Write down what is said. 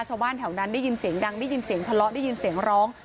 ชาวบ้านแถวนั้นได้ยินเสียงดังได้ยินเสียงทะเลาะได้ยินเสียงร้อง